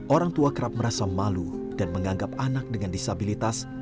orang tua kerap merasa malu dan menganggap anak dengan disabilitas